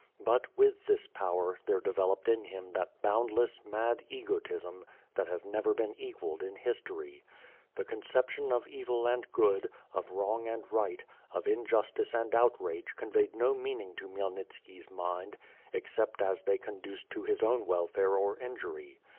But, with this power, there de veloped in him that boundless, mad egotism that has never been equalled in history. The conception of evil and good, of wrong and right, of injustice and outrage conveyed no meaning to Khmyelnitski's mind except as they conduced to his own welfare or injury.